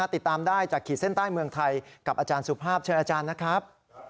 ติดตามได้จากขีดเส้นใต้เมืองไทยกับอาจารย์สุภาพเชิญอาจารย์นะครับ